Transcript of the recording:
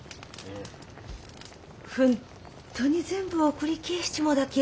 本当に全部送り返しちもうだけ？